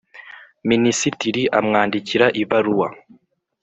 Minisitiri amwandikira ibaruwa